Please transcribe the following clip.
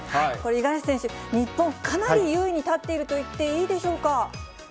五十嵐選手、日本、かなり優位に立っているといっていいでしょうか。